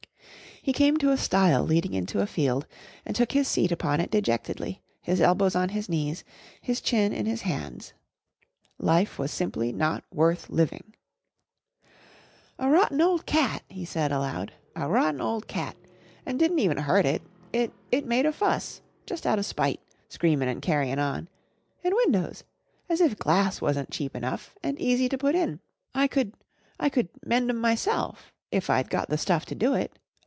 He came to a stile leading into a field and took his seat upon it dejectedly, his elbows on his knees, his chin in his hands. Life was simply not worth living. "A rotten old cat!" he said aloud, "a rotten old cat! and didn't even hurt it. It it made a fuss jus' out of spite, screamin' and carryin' on! And windows! as if glass wasn't cheap enough and easy to put in. I could I could mend 'em myself if I'd got the stuff to do it.